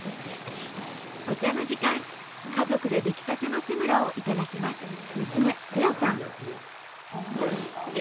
お茶の時間家族で出来たてのセムラをいただきます。